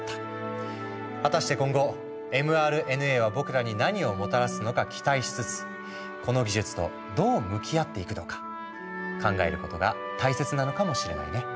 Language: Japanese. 果たして今後ｍＲＮＡは僕らに何をもたらすのか期待しつつこの技術とどう向き合っていくのか考えることが大切なのかもしれないね。